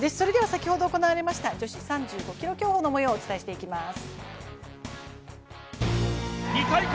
先ほど行われました女子３５ｋｍ競歩の模様をお伝えしていきます。